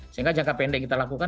sehingga jangka pendek kita lakukan